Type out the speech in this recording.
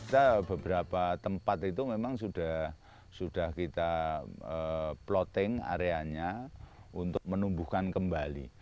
kita beberapa tempat itu memang sudah kita plotting areanya untuk menumbuhkan kembali